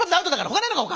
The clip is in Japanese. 他ねえのか他！